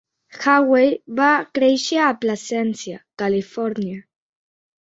Haughey va créixer a Placentia, Califòrnia.